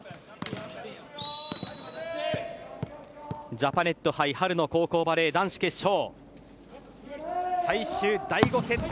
ジャパネット杯春の高校バレー男子決勝最終第５セット